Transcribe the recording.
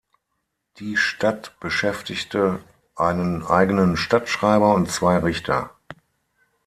Die Stadt beschäftigte einen eigenen Stadtschreiber und zwei Richter.